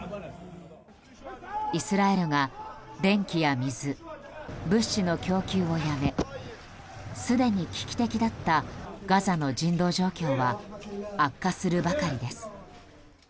イスラエルが電気や水物資の供給をやめすでに危機的だったガザの人道状況は悪化するばかりです。